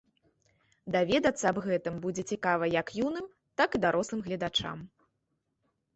Даведацца аб гэтым будзе цікава як юным, так і дарослым гледачам.